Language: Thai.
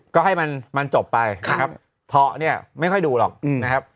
ก็ให้มันจบไปนะครับเพาะเนี่ยไม่ค่อยดูหรอกนะครับ